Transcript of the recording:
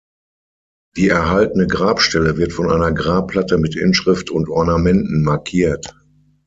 Die erhaltene Grabstelle wird von einer Grabplatte mit Inschrift und Ornamenten markiert.